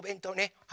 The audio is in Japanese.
はい。